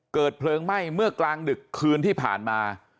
เกิดเพลิงไหม้เมื่อกลางดึกคืนที่ผ่านมา